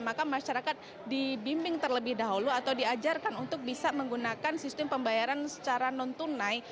maka masyarakat dibimbing terlebih dahulu atau diajarkan untuk bisa menggunakan sistem pembayaran secara non tunai